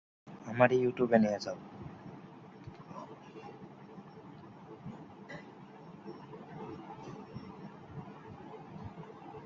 অমিতাভ ঘোষ একজন বাঙালি সাহিত্যিক।